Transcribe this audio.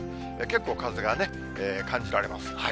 結構風が感じられます。